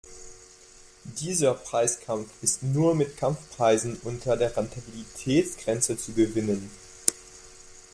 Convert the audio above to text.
Dieser Preiskampf ist nur mit Kampfpreisen unter der Rentabilitätsgrenze zu gewinnen.